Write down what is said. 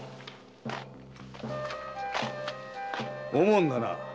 “おもん”だな。